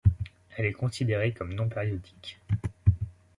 Elle est considérée comme non périodique.